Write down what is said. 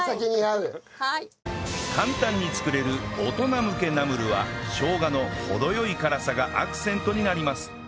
簡単に作れる大人向けナムルは生姜の程良い辛さがアクセントになります